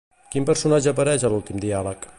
Quin personatge apareix a l'últim diàleg?